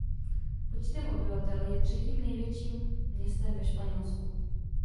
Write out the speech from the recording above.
Počtem obyvatel je třetím největším městem ve Španělsku.